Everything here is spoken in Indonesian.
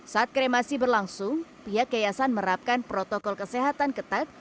saat kremasi berlangsung pihak yayasan merapkan protokol kesehatan ketat